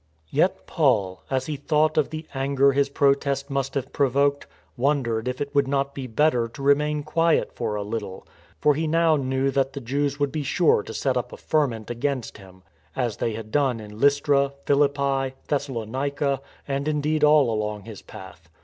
Yet Paul, as he thought of the anger his protest must have provoked, wondered if it would not be better to remain quiet for a little, for he now knew that the Jews would be sure to set up a ferment against him, as they had done in Lystra, Philippi, Thessalonica and indeed all along his path.